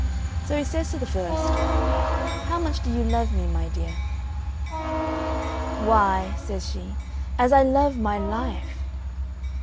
So he says to the first, "How much do you love me, my dear?" "Why," says she, "as I love my life."